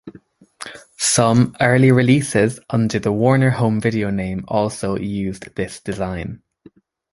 Some early releases under the Warner Home Video name also used this design.